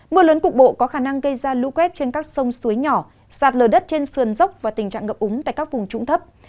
mưa lớn cục bộ có khả năng gây ra lũ quét trên các sông suối nhỏ sạt lở đất trên sườn dốc và tình trạng ngập úng tại các vùng trũng thấp